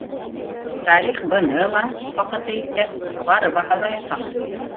Тарих быны ла, ваҡыты еткәс, юғары баһалаясаҡ